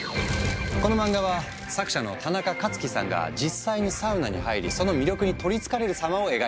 この漫画は作者のタナカカツキさんが実際にサウナに入りその魅力に取りつかれる様を描いたもの。